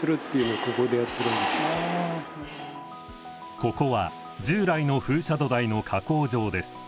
ここは従来の風車土台の加工場です。